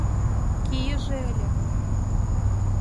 Кийыже ыле.